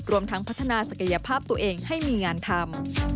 รวมทั้งพัฒนาศักยภาพตัวเองให้มีงานทำ